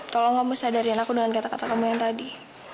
tolong kamu sadarin aku dengan kata kata kamu yang tadi